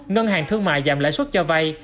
ngân hàng thương mại giảm lãi suất cho vay